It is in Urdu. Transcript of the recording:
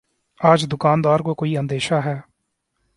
آج دکان دار کو کوئی اندیشہ ہے